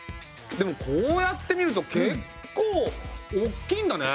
でもこうやって見るとけっこう大きいんだね。